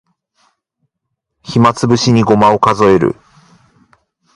暇つぶしにごまを数える